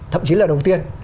thậm chí là đầu tiên